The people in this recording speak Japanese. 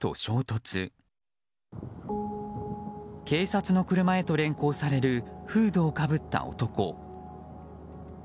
警察の車へと連行されるフードをかぶった男。